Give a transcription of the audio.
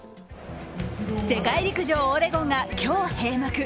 世界陸上オレゴンが今日閉幕。